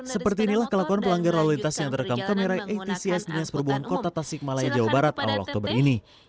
seperti inilah kelakuan pelanggar lalu lintas yang direkam kamera atcs dinas perubuhan kota tasimala jawa barat awal oktober ini